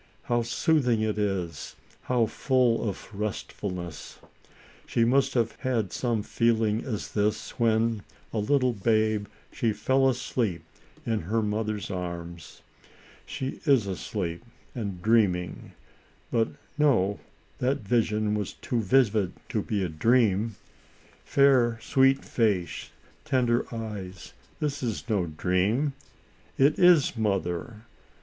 How soothing it is, how full of restfulness ! She must have had some such feeling as this, when, a little babe, she fell asleep in her moth 114 ALICE; OR, THE WAGES OF SIN. er's arms. She is asleep and dreaming — but no: that vision was too vivid for a dream. Fair, sweet face, tender eyes: this is no dream; it is Mother!